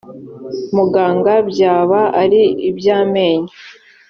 muganga byaba ari iby amenyo